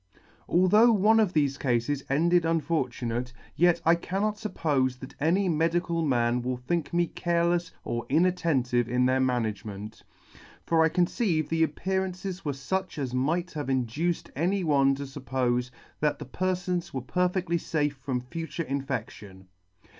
" Although one of thefe cafes ended unfortunate, yet I cannot fuppofe that any medical man will think me carelefs or inatten tive in their management ; for I conceive the appearances were fuch as might have induced any one to fuppofe that the perfons were perfectly fafe from future infection.